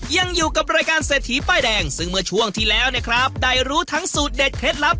ยังอยู่กับรายการเศรษฐีป้ายแดงซึ่งเมื่อช่วงที่แล้วเนี่ยครับได้รู้ทั้งสูตรเด็ดเคล็ดลับ